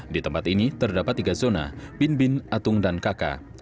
di tempat ini terdapat tiga zona binbin atung dan kaka